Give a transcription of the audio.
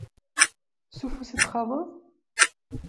S ufus i t-txaḍeḍ?